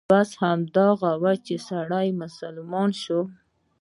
بس هماغه و چې سړى مسلمان شو.